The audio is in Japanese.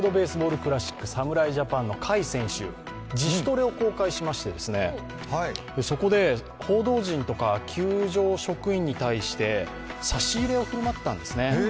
クラシック、侍ジャパンの甲斐選手、自主トレを公開しましてそこで、報道陣とか球場職員に対して差し入れを振る舞ったんですね。